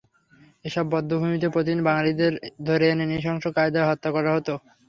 এসব বধ্যভূমিতেই প্রতিদিন বাঙালিদের ধরে এনে নৃশংস কায়দায় হত্যা করা হতো।